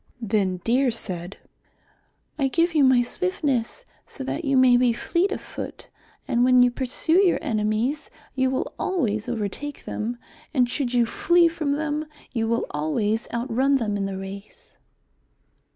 Then Deer said, "I give you my swiftness so that you may be fleet of foot. And when you pursue your enemies you will always overtake them, and should you flee from them, you will always out run them in the race."